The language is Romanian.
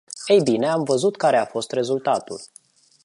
Ei bine, am văzut care a fost rezultatul.